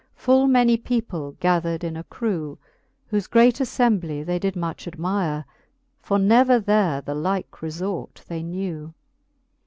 Full many people gathered in a crew ; Whofe great affembly they did much admire. For never there the like refort they knew.